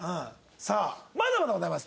さあまだまだございます。